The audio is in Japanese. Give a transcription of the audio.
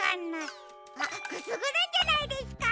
あっくすぐるんじゃないですか？